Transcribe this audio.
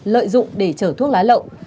lợi dụng để chở thuốc lá lậu